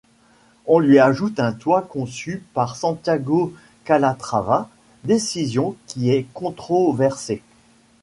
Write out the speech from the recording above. On lui ajoute un toit conçu par Santiago Calatrava, décision qui est controversée.